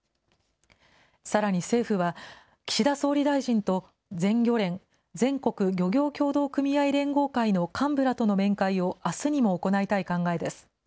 さらに政府は、岸田総理大臣と、全漁連・全国漁業協同組合連合会の幹部らとの面会をあすにも行いたい考えです。